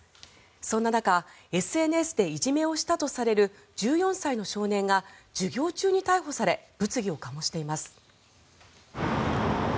そんな中、ＳＮＳでいじめをしたとされる１４歳の少年が授業中に逮捕され物議を醸しています。